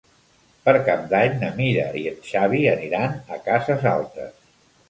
Per Cap d'Any na Mira i en Xavi aniran a Cases Altes.